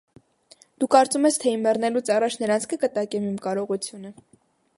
դու կարծում ես, թե իմ մեռնելուց առաջ նրա՞նց կկտակեմ իմ կարողությունը…